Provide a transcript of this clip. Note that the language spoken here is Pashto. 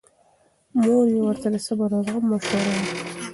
مور یې ورته د صبر او زغم مشوره ورکړه.